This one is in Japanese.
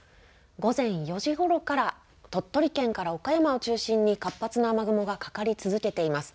午前４時ごろから鳥取県から岡山を中心に活発な雨雲がかかり続けています。